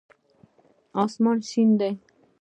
آسمان شين دی.